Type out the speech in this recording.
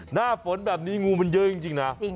หน้าฝนแบบนี้งูมันเยอะจริงนะ